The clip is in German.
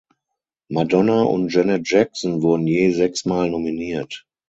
Madonna und Janet Jackson wurden je sechsmal nominiert.